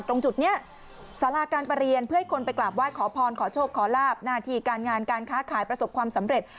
ตรงจุดนี้สาราการประเรียนเพื่อให้คนไปกราบไหว้ขอพรขอโชคขอลาบหน้าที่การงานการค้าขายประสบความสำเร็จ